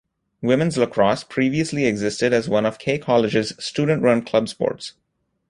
Women's lacrosse previously existed as one of K College's student-run club sports.